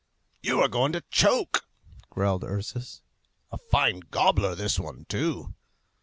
"You are going to choke!" growled Ursus. "A fine gobbler this one, too!"